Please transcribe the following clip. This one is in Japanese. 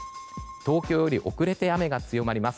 東京より遅れて雨が強まります。